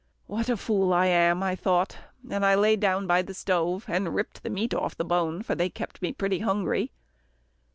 What a fool I am! I thought, and I lay down by the stove, and ripped the meat off the bone, for they kept me pretty hungry.